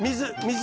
水。